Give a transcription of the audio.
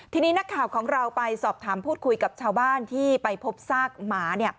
ทีนี้นักข่าวของเราไปสอบถามพูดคุยกับชาวบ้านที่ไปพบซากหมา